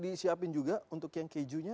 disiapin juga untuk yang kejunya